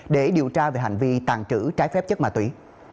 để điều tra về hành vi tàn trữ trái phép chất ma túy